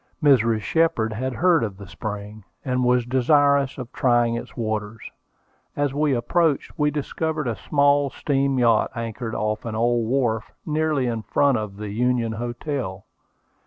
Mrs. Shepard had heard of the spring, and was desirous of trying its waters. As we approached, we discovered a small steam yacht anchored off an old wharf, nearly in front of the Union Hotel.